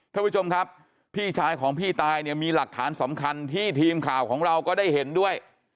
ท่านผู้ชมครับพี่ชายของพี่ตายเนี่ยมีหลักฐานสำคัญที่ทีมข่าวของเราก็ได้เห็นด้วย